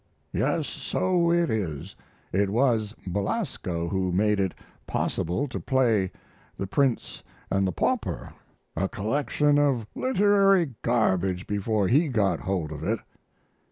"Yes, so it is; it was Belasco who made it possible to play 'The Prince and the Pauper' a collection of literary garbage before he got hold of it."